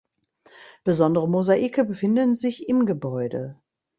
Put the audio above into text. Besondere Mosaike befinden sich im Gebäude.